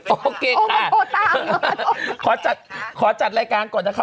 โอเคค่ะขอจัดขอจัดรายการก่อนนะครับ